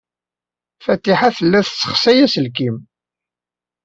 Fatiḥa tella tessexsay aselkim.